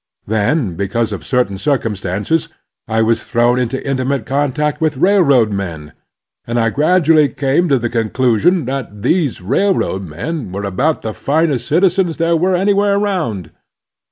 Then, because of certain circumstances, I was thrown into intimate contact with railroad men; and I gradually came to the conclusion that these rail road men were about the finest citizens there were anywhere around.